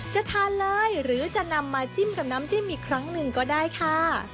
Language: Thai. จะทานเลยหรือจะนำมาจิ้มกับน้ำจิ้มอีกครั้งหนึ่งก็ได้ค่ะ